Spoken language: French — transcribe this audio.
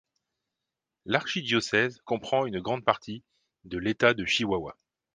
L'archidiocèse comprend une grande partie de l'État de Chihuahua.